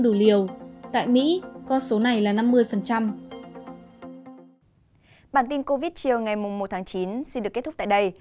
đủ liều tại mỹ con số này là năm mươi